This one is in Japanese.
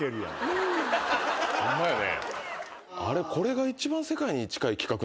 ホンマやね。